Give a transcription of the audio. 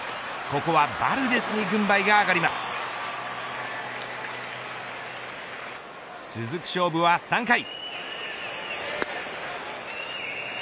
ここはバルデスに軍配が上がります続く勝負は、３回。